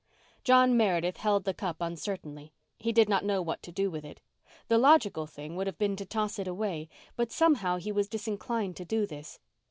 John Meredith held the cup uncertainly. He did not know what to do with it. The logical thing would have been to toss it away, but somehow he was disinclined to do this.